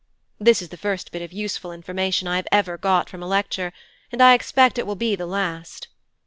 (This is the first bit of useful information I have ever got from a lecture, and I expect it will be the last.)